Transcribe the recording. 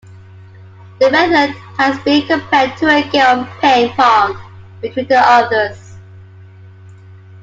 The method has been compared to a game of ping pong between the authors.